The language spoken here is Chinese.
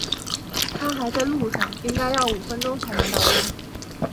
他还在路上，应该要五点钟才能到家。